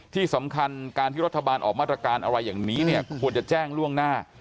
ที่สำคัญการที่รัฐบาลออกมาตรการอะไรอย่างนี้เนี่ยควรจะแจ้งล่วงหน้า